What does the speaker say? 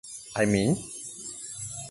I mean!